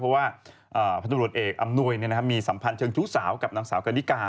ว่าพระตรวจเอกอำนวยมีสัมพันธ์เชิงชู้สาวกับน้องสาวกันนิกา